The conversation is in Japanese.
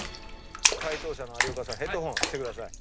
解答者の有岡さんヘッドホンをしてください。